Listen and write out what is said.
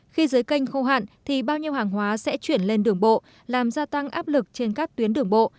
khi dưới canh khô hạn thì bao nhiêu hàng hóa sẽ chuyển lên đường bộ làm gia tăng áp lực trên các tuyến đường bộ